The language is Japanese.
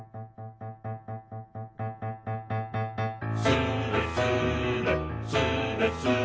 「スレスレスレスレ」